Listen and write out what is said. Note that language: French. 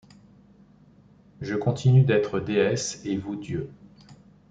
Je continue d’être déesse et vous dieu.